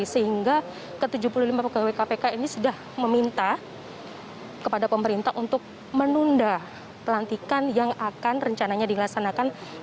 sehingga ke tujuh puluh lima pegawai kpk ini sudah meminta kepada pemerintah untuk menunda pelantikan yang akan rencananya dilaksanakan tanggal satu juni dua ribu dua puluh satu